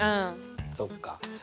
そっか。